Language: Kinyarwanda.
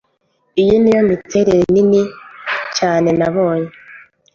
iyi niyo miterere nini cyane nabonye